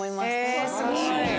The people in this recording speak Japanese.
すごい。